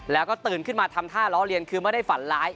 แล้วก็ตื่นขึ้นมาทำท่าล้อเลียนคือไม่ได้ฝันร้าย